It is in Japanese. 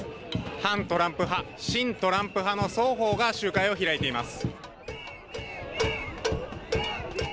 反トランプ派、親トランプ派の双方が集会を開いています。